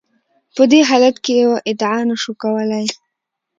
په دې حالت کې یوه ادعا نشو کولای.